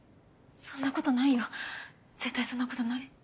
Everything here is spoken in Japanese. そんなことないよ絶対そんなことない。